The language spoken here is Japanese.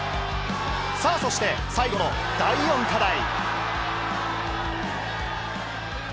さあそして、最後の第４課題。